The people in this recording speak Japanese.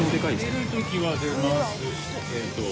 ・出るときは出ますけど。